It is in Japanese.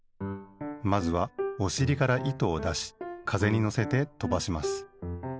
まずはおしりから糸をだしかぜにのせてとばします。